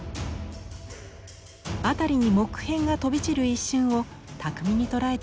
辺りに木片が飛び散る一瞬を巧みに捉えています。